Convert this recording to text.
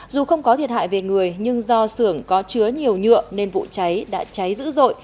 dù không có thiệt hại về người nhưng do xưởng có chứa nhiều nhựa nên vụ cháy đã cháy dữ dội